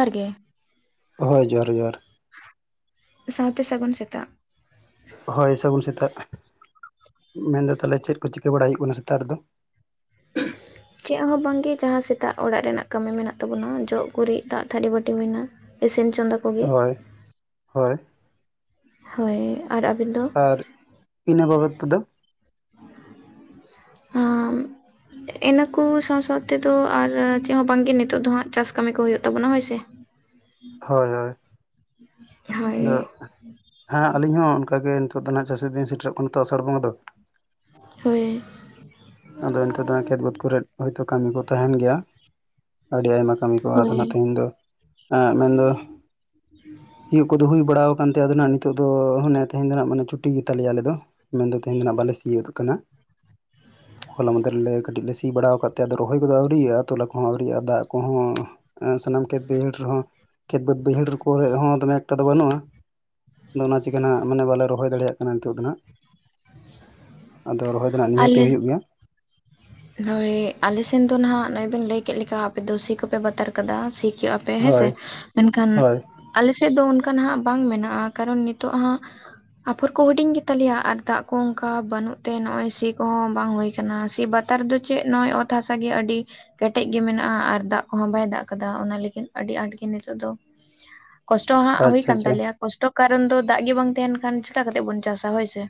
ᱡᱚᱦᱟᱨ ᱜᱮ ᱦᱳᱭ ᱡᱚᱦᱟᱨ ᱡᱚᱦᱟᱨ ᱥᱟᱶᱛᱮ ᱥᱟᱹᱜᱩᱱ ᱥᱮᱛᱟᱜ ᱦᱳᱭ ᱥᱟᱹᱜᱩᱱ ᱥᱮᱛᱟᱜ ᱢᱮᱱᱫᱚ ᱛᱟᱦᱚᱞᱮ ᱪᱮᱫ ᱠᱚ ᱪᱤᱠᱟᱹ ᱵᱟᱲᱟᱭ ᱦᱩᱭᱩᱜ ᱠᱟᱱᱟ ᱥᱮᱛᱟᱜ ᱨᱮᱫᱚ ᱪᱮᱫ ᱦᱚᱸ ᱵᱟᱝᱜᱮ ᱡᱟᱦᱟᱸ ᱥᱮᱛᱟᱜ ᱚᱲᱟᱜ ᱨᱮᱱᱟᱜ ᱠᱟᱹᱢᱤ ᱢᱮᱱᱟᱜ ᱛᱟᱵᱚᱱᱟ ᱡᱚᱜ ᱜᱩᱨᱤᱡ ᱫᱟᱜ ᱛᱷᱟᱹᱞᱤ ᱵᱟᱹᱴᱤ ᱢᱮᱱᱟᱜᱻᱟ ᱾ ᱤᱥᱤᱱ ᱪᱚᱸᱫᱟ ᱠᱚ ᱦᱳᱭ ᱦᱳᱭ ᱦᱳᱭ ᱟᱨ ᱟᱵᱮᱱ ᱫᱚ ᱟᱨ ᱤᱱᱟᱹ ᱵᱟᱵᱚᱫ ᱛᱮᱫᱚ [inaudible] ᱤᱱᱟᱹ ᱠᱚ ᱥᱟᱶ ᱥᱟᱶ ᱛᱮᱫᱚ ᱟᱨ ᱪᱮᱫ ᱦᱚᱸ ᱵᱟᱝᱜᱮ ᱱᱤᱛᱚᱜ ᱫᱚ ᱦᱟᱸᱜ ᱪᱟᱥ ᱠᱟᱹᱢᱤ ᱠᱚ ᱦᱩᱭᱩᱜ ᱛᱟᱵᱚᱱᱟ ᱦᱳᱭᱥᱮ ᱦᱳᱭ ᱦᱳᱭ ᱟᱫᱚ ᱦᱳᱭ [unintelligible] ᱦᱮᱸ ᱟᱹᱞᱤᱧ ᱦᱚᱸ ᱚᱱᱠᱟ ᱜᱮ ᱱᱤᱛᱚᱜ ᱫᱚ ᱱᱟᱦᱟᱜ ᱪᱟᱹᱥᱤ ᱫᱤᱱ ᱥᱮᱴᱮᱨᱚᱜ ᱠᱟᱱᱟ ᱛᱚ ᱟᱥᱟᱲ ᱵᱚᱸᱜᱟ ᱫᱚ ᱦᱳᱭ ᱟᱫᱚ ᱤᱱᱠᱩ ᱫᱚ ᱠᱷᱮᱛ ᱵᱟᱹᱫᱽ ᱠᱚᱨᱮ ᱦᱚᱭᱛᱳ ᱠᱟᱹᱢᱤ ᱠᱚ ᱛᱟᱦᱮᱸᱱ ᱜᱮᱭᱟ ᱟᱹᱰᱤ ᱟᱭᱢᱟ ᱠᱟᱹᱢᱤ ᱠᱚᱼᱟᱫᱽ ᱦᱳᱭ ᱮᱱᱟ ᱛᱮᱦᱮᱧ ᱫᱚ [unintelligible] ᱢᱮᱱᱫᱚ ᱥᱤᱭᱩᱜ ᱠᱚᱫᱚ ᱦᱩᱭ ᱵᱟᱲᱟ ᱟᱠᱟᱣᱟᱱ ᱛᱮ ᱟᱫᱚ ᱱᱟᱦᱟᱜ ᱱᱤᱛᱚᱜ ᱫᱚ [unintelligible] ᱢᱟᱱᱮ ᱛᱮᱦᱮᱸᱧ ᱫᱚ ᱦᱟᱜ ᱢᱟᱱᱮ ᱪᱷᱩᱴᱤ ᱜᱮ ᱛᱟᱞᱮᱭᱟ ᱟᱞᱮ ᱫᱚ ᱢᱮᱱᱫᱚ ᱛᱮᱦᱮᱧ ᱫᱚ ᱱᱟᱦᱟᱜ ᱵᱟᱞᱮ ᱥᱤᱭᱳᱜᱚᱜ ᱠᱟᱱᱟ ᱦᱚᱞᱟ ᱢᱟᱫᱷᱮᱨ ᱨᱮ ᱠᱟᱹᱴᱤᱡ ᱞᱮ ᱥᱤ ᱵᱟᱲᱟ ᱟᱠᱟᱫ ᱛᱮ ᱟᱫᱚ ᱨᱚᱦᱚᱭ ᱠᱚᱫᱚ ᱟᱹᱣᱨᱤᱭᱟᱜᱼᱟ ᱛᱚᱞᱟ ᱠᱚᱦᱚᱸ ᱟᱹᱣᱨᱤᱭᱟᱜᱼᱟ ᱫᱟᱜ ᱠᱚᱦᱚᱸ ᱥᱟᱱᱟᱢ ᱠᱷᱮᱛ ᱵᱟᱹᱭᱦᱟᱹᱲ ᱨᱮᱦᱚᱸ ᱠᱷᱮᱛ ᱵᱟᱹᱫᱽ ᱵᱟᱹᱭᱦᱟᱹᱲ ᱠᱚᱨᱮᱦᱚᱸ ᱫᱚᱢᱮ ᱮᱠᱴᱟ ᱫᱚ ᱵᱟᱹᱱᱩᱜᱼᱟ [unintelligible] ᱚᱱᱟ ᱪᱤᱠᱟᱹ ᱱᱷᱟᱜ ᱢᱟᱱᱮ ᱵᱟᱞᱮ ᱨᱚᱦᱚᱭ ᱫᱟᱲᱮᱭᱟᱜ ᱠᱟᱱᱟ ᱱᱤᱛᱚᱜ ᱫᱚ ᱱᱟᱦᱟᱜ ᱟᱫᱚ ᱨᱚᱦᱚᱭ ᱚᱱᱠᱟᱱᱟᱜ [unintelligible] ᱱᱤᱭᱟᱹ ᱛᱮ ᱟᱞᱮ ᱦᱩᱭᱩᱜ ᱜᱮᱭᱟ ᱦᱳᱭ ᱟᱞᱮᱥᱮᱱ ᱫᱚ ᱱᱟᱦᱟᱜ ᱱᱚᱜᱚᱭ ᱵᱮᱱ ᱞᱟᱹᱭ ᱠᱮᱫ ᱞᱮᱠᱟ ᱟᱯᱮ ᱫᱚ ᱥᱤ ᱠᱚᱯᱮ ᱵᱟᱛᱟᱨ ᱠᱟᱫᱟ ᱥᱤ [unintelligible] [unintelligible] ᱯᱮ ᱦᱮᱸ ᱥᱮ ᱦᱳᱭ ᱢᱮᱱᱠᱷᱟᱱ ᱦᱳᱭ ᱟᱞᱮ ᱥᱮᱫ ᱫᱚ ᱚᱱᱠᱟ ᱦᱟᱜ ᱵᱟᱝ ᱢᱮᱱᱟᱜᱼᱟ ᱠᱟᱨᱚᱱ ᱱᱤᱛᱚᱜ ᱦᱟᱜ ᱟᱯᱷᱚᱨ ᱠᱚ ᱦᱩᱰᱤᱧ ᱜᱮ ᱛᱟᱞᱮᱭᱟ ᱟᱨ ᱫᱟᱜ ᱠᱚ ᱚᱱᱠᱟ ᱵᱟᱹᱱᱩᱜ ᱛᱮ ᱱᱚᱜᱼᱚᱭ ᱥᱤ ᱠᱚᱦᱚᱸ ᱵᱟᱝ ᱦᱩᱭ ᱟᱠᱟᱱᱟ ᱥᱤ ᱵᱟᱫᱽ ᱱᱮᱛᱟᱨ ᱫᱚ ᱪᱮᱜ ᱱᱚᱜᱼᱚᱭ ᱚᱛ ᱦᱟᱥᱟ ᱜᱮ ᱟᱹᱰᱤ [unintelligible] ᱠᱮᱴᱮᱡ ᱜᱮ ᱢᱮᱱᱟᱜᱼᱟ ᱟᱨ ᱫᱟᱜ ᱠᱚᱦᱚᱸ ᱵᱟᱭ ᱫᱟᱜ ᱠᱟᱫᱟ ᱚᱱᱟ ᱞᱟᱹᱜᱤᱫ ᱟᱹᱰᱤ ᱟᱸᱴ ᱜᱮ ᱱᱤᱛᱚᱜ ᱫᱚ ᱠᱚᱥᱴᱚ ᱦᱟᱸᱜ ᱦᱩᱭ ᱟᱪᱪᱷᱟ ᱟᱠᱟᱱ ᱟᱪᱪᱷᱟ ᱛᱟᱞᱮᱭᱟ ᱠᱚᱥᱴᱚ ᱠᱟᱨᱚᱱ ᱫᱚ ᱫᱟᱜ ᱜᱮ ᱵᱟᱝ ᱛᱟᱦᱮᱸᱱ ᱠᱷᱟᱱ ᱪᱤᱠᱟ ᱠᱟᱛᱮ ᱵᱚᱱ ᱪᱟᱥᱟ ᱦᱳᱭᱥᱮ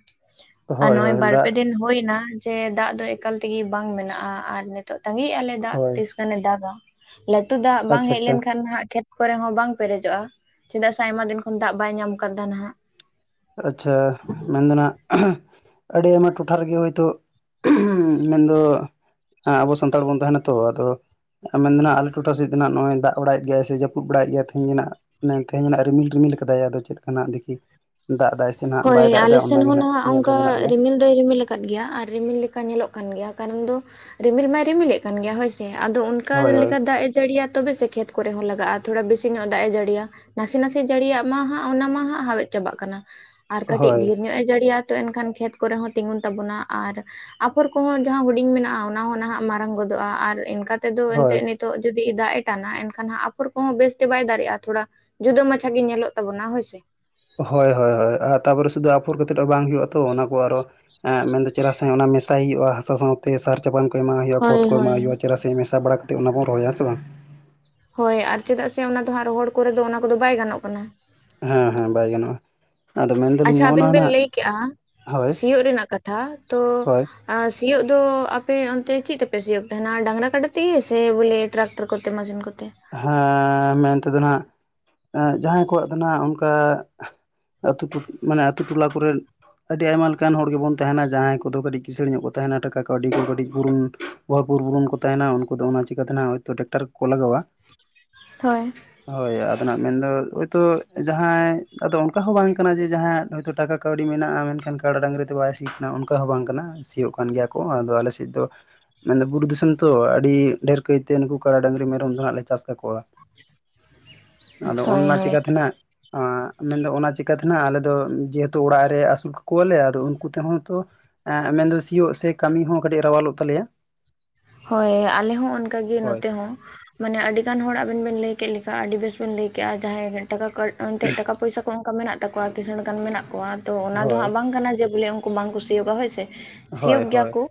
ᱟᱨ ᱦᱳᱭ ᱱᱚᱜᱼᱚᱭ ᱦᱳᱭ ᱵᱟᱨ ᱯᱮ ᱫᱟᱜ ᱫᱤᱱ ᱦᱩᱭᱮᱱᱟ ᱡᱮ ᱫᱟᱜ ᱫᱚ ᱮᱠᱟᱞ ᱛᱮᱜᱮ ᱵᱟᱝ ᱢᱮᱱᱟᱜᱼᱟ ᱟᱨ ᱱᱤᱛᱚᱜ ᱫᱷᱟᱹᱵᱤᱡ ᱟᱞᱮ ᱫᱟᱜ ᱦᱳᱭ ᱛᱤᱥ ᱜᱟᱱᱮ ᱫᱟᱜᱟ ᱞᱟᱹᱴᱩ ᱫᱟᱜ ᱵᱟᱝ ᱟᱪᱪᱷᱟ ᱦᱮᱡ ᱟᱪᱪᱷᱟ ᱞᱮᱱᱠᱷᱟᱱ ᱱᱟᱦᱟᱜ ᱠᱷᱮᱛ [unintelligible] ᱠᱚᱨᱮ ᱦᱚᱸ ᱵᱟᱝ ᱯᱮᱨᱮᱡᱚᱜᱼᱟ ᱪᱮᱫᱟᱜ ᱥᱮ ᱟᱭᱢᱟ ᱫᱤᱱ ᱠᱷᱚᱱ ᱫᱟᱜ ᱵᱟᱭ ᱧᱟᱢ ᱠᱟᱫᱟ ᱱᱟᱦᱟᱜ ᱟᱪᱪᱷᱟ ᱢᱮᱱ ᱫᱚ ᱱᱟᱜ ᱟᱹᱰᱤ ᱟᱭᱢᱟ ᱴᱚᱴᱷᱟ ᱨᱮᱜᱮ ᱦᱳᱭᱛᱳ ᱢᱮᱱᱫᱚ ᱦᱮᱸ ᱟᱵᱚ ᱥᱟᱱᱛᱟᱲ ᱵᱚᱱ ᱛᱟᱦᱮᱸᱱᱟ ᱛᱚ ᱟᱫᱚ ᱟᱨ ᱢᱮᱱ ᱫᱚ ᱱᱟᱦᱟᱦ ᱟᱞᱮ ᱴᱚᱴᱷᱟ ᱥᱮᱫ ᱫᱚ ᱦᱟᱜ ᱱᱚᱜᱼᱚᱭ ᱫᱟᱜ ᱵᱟᱲᱟᱭᱮᱫ ᱜᱮᱭᱟᱭ ᱥᱮ ᱡᱟᱹᱯᱩᱫ ᱵᱟᱲᱟᱭ ᱜᱮᱭᱟᱭ ᱛᱮᱦᱮᱧ ᱱᱟᱦᱟᱜ [unintelligible] ᱛᱮᱦᱮᱸᱧ ᱢᱟᱱᱷᱟᱜ ᱨᱤᱢᱤᱞ ᱨᱤᱢᱤᱞ ᱟᱠᱟᱫᱟᱭ ᱟᱫᱚ ᱪᱮᱫ ᱞᱮᱠᱟᱱᱟᱜ ᱫᱮᱠᱷᱤ ᱫᱟᱜ ᱮᱫᱟᱭ [unintelligible] ᱦᱳᱭ ᱟᱞᱮᱥᱮᱱ ᱦᱚᱸ ᱱᱟᱣᱟ ᱚᱱᱠᱟ ᱞᱮᱭᱟ ᱨᱤᱢᱤᱞ [inaudible] ᱨᱤᱢᱤᱞ ᱟᱠᱟᱫ ᱜᱮᱭᱟ ᱟᱨ ᱨᱤᱢᱤᱞ ᱞᱮᱠᱟ ᱧᱮᱞᱚᱜ ᱠᱟᱱ ᱜᱮᱭᱟ ᱠᱟᱨᱚᱱ ᱫᱚ ᱨᱤᱢᱤᱞ ᱢᱟᱭ ᱨᱤᱢᱤᱞᱮᱫ ᱠᱟᱱ ᱜᱮᱭᱟ ᱦᱳᱭᱥᱮ ᱟᱫᱚ ᱚᱱᱠᱟ ᱦᱳᱭ ᱦᱳᱭ ᱞᱮᱠᱟ ᱫᱟᱜ ᱮ ᱡᱟᱹᱲᱤᱭᱟ ᱛᱚᱵᱮ ᱥᱮ ᱠᱷᱮᱛ ᱠᱚᱨᱮ ᱦᱚᱸ ᱞᱟᱜᱟᱜᱼᱟ ᱛᱷᱚᱲᱟ ᱵᱤᱥᱤ ᱧᱚᱜ ᱫᱟᱜ ᱮ ᱡᱟᱹᱲᱤᱭᱟ ᱱᱟᱥᱮ ᱱᱟᱥᱮ ᱡᱟᱹᱲᱤᱭᱟᱜ ᱢᱟ ᱦᱟᱸᱜ ᱚᱱᱟ ᱢᱟ ᱦᱟᱸᱜ ᱦᱟᱣᱮᱫ ᱪᱟᱵᱟᱜ ᱠᱟᱱᱟ ᱟᱨ ᱠᱟᱹᱴᱤᱡ ᱦᱳᱭ ᱰᱷᱮᱨ ᱧᱚᱜ ᱮ ᱡᱟᱹᱲᱤᱭᱟ ᱛᱚ ᱮᱱᱠᱷᱟᱱ ᱠᱷᱮᱛ ᱠᱚᱨᱮ ᱦᱚᱸ ᱛᱤᱸᱜᱩᱱ ᱛᱟᱵᱚᱱᱟ ᱟᱨ ᱟᱯᱷᱚᱨ ᱠᱚᱦᱚᱸ ᱡᱟᱦᱟᱸ ᱦᱩᱰᱤᱧ ᱢᱮᱱᱟᱜᱼᱟ ᱚᱱᱟᱦᱚ ᱱᱟᱦᱟᱜ ᱢᱟᱨᱟᱝ ᱜᱚᱫᱚᱜᱼᱟ ᱟᱨ ᱤᱱᱠᱟ ᱛᱮᱫᱚ ᱦᱳᱭ ᱮᱱᱛᱮᱫ ᱱᱤᱛ ᱱᱤᱛᱚᱜ ᱡᱩᱫᱤ ᱫᱟᱜ ᱮ ᱴᱟᱱᱟᱼᱟ ᱮᱱᱠᱷᱟᱱ ᱟᱯᱷᱚᱨ ᱠᱚᱦᱚᱸ ᱵᱮᱥᱛᱮ ᱵᱟᱭ ᱫᱟᱲᱮᱜᱼᱟ ᱛᱷᱚᱲᱟ ᱡᱩᱫᱟᱹ ᱢᱟᱪᱷᱟ ᱜᱮ ᱧᱮᱞᱚᱜ ᱛᱟᱵᱚᱱᱟ ᱦᱳᱭ ᱥᱮ ᱦᱳᱭ ᱦᱳᱭ ᱦᱳᱭ ᱛᱟᱯᱚᱨᱮ ᱥᱩᱫᱩ ᱟᱯᱷᱚᱨ ᱠᱟᱛᱮᱫ ᱵᱟᱝ ᱦᱩᱭᱩᱜᱼᱟ ᱛᱚ ᱚᱱᱟ ᱠᱚ ᱟᱨᱚ ᱢᱮᱱ ᱫᱚ ᱪᱮᱨᱦᱟ ᱥᱟᱦᱤᱡ ᱚᱱᱟ ᱢᱮᱥᱟᱭ ᱦᱩᱭᱩᱜᱼᱟ ᱦᱟᱥᱟ ᱥᱟᱶ ᱛᱮ ᱥᱟᱨ ᱪᱟᱯᱟᱱ ᱠᱚ ᱮᱢᱟᱜ ᱦᱩᱭᱩᱜᱼᱟ ᱠᱷᱚᱛ ᱦᱳᱭ ᱠᱚ ᱮᱢᱟᱜ ᱦᱳᱭ ᱦᱩᱭᱩᱜᱼᱟ ᱪᱮᱫᱟᱜ ᱥᱮ ᱢᱮᱥᱟ ᱵᱟᱲᱟ ᱠᱟ ᱠᱟᱛᱮᱫ ᱚᱱᱟ ᱵᱚᱱ ᱨᱚᱦᱚᱭᱟ ᱥᱮ ᱵᱟᱝ᱾ ᱦᱳᱭ ᱟᱨ ᱪᱮᱫᱟᱜ ᱥᱮ ᱚᱱᱟ ᱫᱚ ᱦᱟᱸᱜ ᱨᱚᱦᱚᱲ ᱠᱚᱨᱮ ᱫᱚ ᱚᱱᱟ ᱠᱚᱫᱚ ᱵᱟᱭ ᱜᱟᱱᱚᱜ ᱠᱟᱱᱟ᱾ ᱦᱮᱸ ᱦᱮᱸ ᱵᱟᱭ ᱜᱟᱱᱚᱜᱼᱟ᱾ ᱟᱫᱚ ᱢᱮᱱᱫᱟᱞᱤᱧ ᱟᱪᱪᱷᱟ ᱱᱚᱜᱼᱚ ᱱᱟ ᱟᱵᱤᱱ ᱵᱮᱤᱱ ᱱᱟᱜ ᱞᱟᱹᱭ ᱠᱮᱜᱼᱟ ᱦᱳᱭ ᱥᱤᱭᱳᱜ ᱨᱮᱱᱟᱜ ᱠᱟᱛᱷᱟ ᱛᱳ ᱦᱳᱭ ᱟᱨ ᱥᱤᱭᱳᱜ ᱫᱚ ᱟᱯᱮ ᱚᱱᱛᱮ ᱪᱮᱫ ᱛᱮᱯᱮ ᱥᱤᱭᱳᱜ ᱛᱟᱦᱮᱱᱟ ᱰᱟᱝᱨᱟ ᱠᱟᱰᱟ ᱛᱮᱜᱮ ᱥᱮ ᱵᱚᱞᱮ ᱴᱨᱟᱠ ᱥᱟᱨ ᱠᱚᱛᱮ ᱢᱟᱡᱚᱱ ᱠᱚᱛᱮ ᱦᱮ ᱢᱮᱱᱛᱮᱫᱚ ᱱᱟᱜ ᱡᱟᱦᱟᱸᱭ ᱠᱚᱣᱟᱜ ᱫᱚ ᱦᱟᱜ ᱚᱱᱠᱟ ᱟᱹᱛᱩ ᱢᱟᱱᱮ ᱟᱹᱛᱩ ᱴᱚᱞᱟ ᱠᱚᱨᱮᱱ ᱟᱹᱰᱤ ᱟᱭᱢᱟ ᱞᱮᱠᱟᱱ ᱦᱚᱲ ᱜᱮᱵᱚᱱ ᱛᱟᱦᱮᱱᱟ ᱡᱟᱦᱟᱸᱭ ᱠᱚᱫᱚ ᱠᱟᱹᱴᱤᱡ ᱠᱤᱥᱟᱹᱬᱤ ᱧᱚᱜ ᱠᱚ ᱛᱟᱦᱮᱱᱟ ᱴᱟᱠᱟ ᱠᱟᱹᱣᱰᱤ ᱠᱚ ᱠᱟᱹᱴᱤᱡ ᱯᱩᱨᱩᱱ [unintelligible] ᱨᱮᱱ ᱠᱚ ᱛᱟᱦᱮᱱᱟ ᱩᱱᱠᱩ ᱫᱚ ᱚᱱᱟ ᱪᱤᱠᱟ ᱛᱟᱦᱮᱱᱟ ᱦᱚᱭᱛᱚ ᱴᱟᱠᱴᱟᱨ ᱠᱚ ᱞᱟᱜᱟᱣᱟ ᱦᱳᱭ ᱦᱳᱭ ᱟᱫᱚᱱᱟᱜ ᱢᱮᱱᱫᱚ ᱦᱳᱭᱛᱳ ᱡᱟᱦᱟᱸᱭ ᱟᱫᱚ ᱚᱱᱠᱟ ᱦᱚᱸ ᱵᱟᱝ ᱠᱟᱱᱟ ᱡᱮ ᱡᱟᱦᱟᱸ ᱦᱳᱭᱛᱳ ᱴᱟᱠᱟ ᱠᱟᱹᱣᱰᱤ ᱢᱮᱱᱟᱜᱼᱟ ᱢᱮᱱᱠᱷᱟᱱ ᱠᱟᱰᱟ ᱰᱟᱝᱨᱤ ᱛᱮ ᱵᱟᱭ ᱥᱤᱭᱟᱹ ᱠᱟᱱᱟ ᱚᱱᱠᱟ ᱦᱚᱸ ᱵᱟᱝ ᱠᱟᱱᱟ ᱥᱤᱭᱳᱜ ᱠᱟᱱ ᱜᱮᱭᱟ ᱠᱚ ᱟᱫᱚ ᱟᱞᱮ ᱥᱮᱫ ᱫᱚ ᱢᱮᱱᱫᱟ ᱵᱩᱨᱩ ᱫᱤᱥᱚᱢ ᱛᱚ ᱟᱹᱰᱤ ᱰᱷᱮᱨ ᱠᱟᱹᱭᱛᱮ ᱱᱩᱠᱩ ᱠᱟᱲᱟ ᱰᱟᱝᱨᱤ ᱢᱮᱨᱚᱢ ᱫᱚᱱᱟᱜ ᱪᱟᱥ ᱠᱟᱠᱚᱣᱟ ᱟᱫᱚ ᱦᱳᱭ ᱚᱱᱟ ᱦᱳᱭ ᱪᱤᱠᱟᱛᱮᱱᱟᱜ [unintelligible] ᱢᱮᱱᱫᱚ ᱚᱱᱟ ᱪᱤᱠᱟᱛᱮᱱᱟ ᱟᱞᱮ ᱫᱚ ᱡᱮᱦᱮᱛᱩ ᱚᱲᱟᱜ ᱨᱮ ᱟᱹᱥᱩᱞ ᱠᱟᱠᱚᱣᱟᱞᱮ ᱟᱫᱚ ᱩᱱᱠᱩ ᱛᱮᱦᱚᱸ ᱛᱚ ᱢᱮᱱᱫᱚ ᱥᱤᱭᱳᱜ ᱥᱮ ᱠᱟᱹᱢᱤ ᱦᱚᱸ ᱠᱟᱹᱴᱤᱡ ᱨᱟᱣᱟᱞᱚᱜ ᱛᱟᱞᱮᱭᱟ᱾ ᱦᱳᱭ ᱟᱞᱮ ᱦᱚᱸ ᱚᱱᱠᱟᱜᱮ ᱦᱳᱭ ᱱᱚᱛᱮ ᱦᱚᱸ ᱢᱟᱱᱮ ᱟᱹᱰᱤ ᱜᱟᱱ ᱦᱚᱲ ᱟᱵᱮᱱ ᱵᱮᱱ ᱞᱟᱹᱭ ᱠᱮᱫ ᱞᱮᱠᱟ ᱟᱹᱰᱤ ᱵᱮᱥ ᱵᱮᱱ ᱞᱟᱹᱭᱠᱮᱜᱼᱟ ᱡᱟᱦᱟᱸᱭ ᱴᱟᱠᱟ ᱠᱟ ᱮᱱᱛᱮᱫ ᱴᱟᱠᱟ ᱯᱚᱭᱥᱟ ᱠᱚ ᱚᱱᱠᱟ ᱢᱮᱱᱟᱜ ᱛᱟᱠᱚᱣᱟ ᱠᱤᱥᱟᱹᱬ ᱜᱟᱱ ᱢᱮᱱᱟᱜ ᱠᱚᱣᱟ ᱛᱚ ᱚᱱᱟ ᱫᱚ ᱦᱳᱭ ᱦᱟᱸᱜ ᱵᱟᱝ ᱠᱟᱱᱟ ᱡᱮ ᱵᱚᱞᱮ ᱩᱱᱠᱩ ᱵᱟᱝ ᱥᱤᱭᱳᱜᱼᱟ ᱦᱳᱭ ᱥᱮ᱾ ᱦᱳᱭ ᱥᱤᱭᱳᱜ ᱜᱮᱭᱟ ᱦᱳᱭ ᱠᱚ